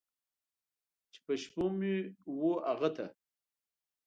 چې په شپو مې و هغه ته!